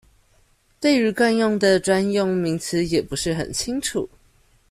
對於慣用的專用名詞也不是很清楚